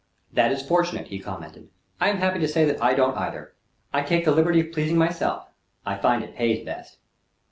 "That is fortunate," he commented. "I am happy to say I don't, either. I take the liberty of pleasing myself. I find it pays best."